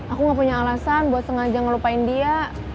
aku gak punya alasan buat sengaja ngelupain dia